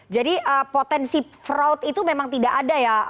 jadi potensi fraud itu memang tidak ada ya bang melky